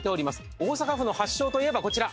大阪府の発祥といえばこちら！